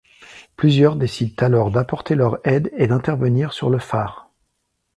Plusieurs décident alors d'apporter leur aide et d'intervenir sur le phare.